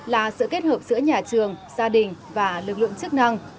là sự kết hợp giữa nhà trường gia đình và lực lượng chức năng